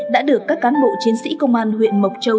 đã được các cán bộ chiến sĩ công an huyện mộc châu